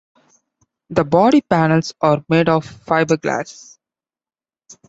The body panels are made of fiberglass.